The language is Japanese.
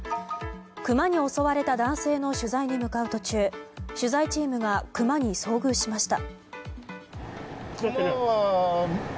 クマに襲われた男性の取材に向かう途中取材チームがクマに遭遇しました。